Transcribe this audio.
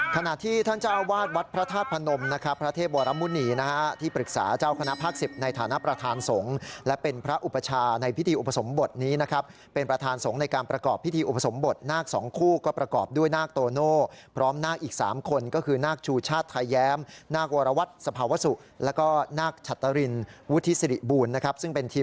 ขนาดที่ท่านเจ้าวาดวัดพระธาตุพนมนะครับพระเทพวรมุณีนะครับที่ปรึกษาเจ้าคณะภาค๑๐ในฐานะประธานสงฆ์และเป็นพระอุปชาในพิธีอุปสมบทนี้นะครับเป็นประธานสงฆ์ในการประกอบพิธีอุปสมบทนาคสองคู่ก็ประกอบด้วยนาคโตโน่พร้อมนาคอีกสามคนก็คือนาคชูชาติไทยแยมนาควรวัดสภ